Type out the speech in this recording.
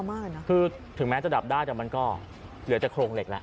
มากอันนั้นคือถึงแม้จะดับได้แต่มันก็เหลือจะโคลงเหล็กแหละ